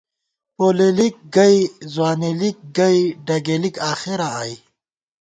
پولېلِک گئی، ځوانېلِک گئی، ڈگېلِک آخېراں آئی